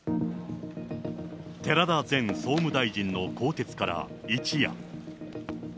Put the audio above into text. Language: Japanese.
寺田前総務大臣の更迭から一夜。